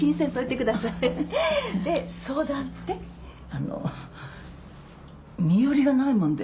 あのう身寄りがないもんで。